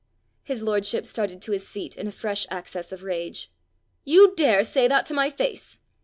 His lordship started to his feet in a fresh access of rage. "You dare say that to my face!"